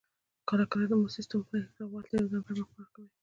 کله کله د مزد سیستم پانګوال ته یوه ځانګړې موقع ورکوي